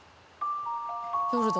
夜だ。